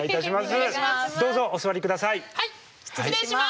失礼します。